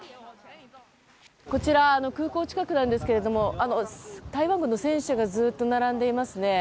こちら、空港近くなんですが台湾軍の戦車がずっと並んでいますね。